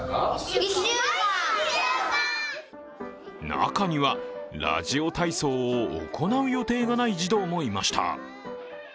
中には、ラジオ体操を行う予定がない児童もいました。